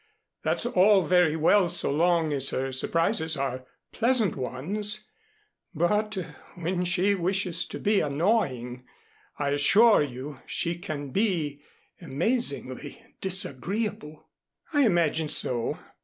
That's all very well so long as her surprises are pleasant ones; but when she wishes to be annoying, I assure you she can be amazingly disagreeable." "I imagine so.